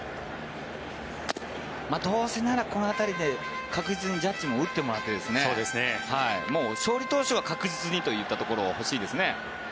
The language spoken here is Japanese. どうせならこの辺りで確実にジャッジも打ってもらってもう勝利投手は確実にといったところが欲しいですね。